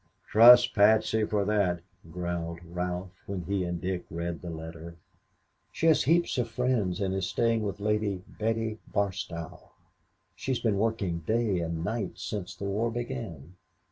"Trust Patsy for that," growled Ralph, when he and Dick read the letter. "She has heaps of friends and is staying with Lady Betty Barstow. She's been working day and night since the war began.